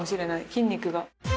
筋肉が。